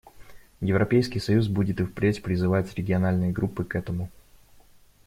Европейский союз будет и впредь призывать региональные группы к этому.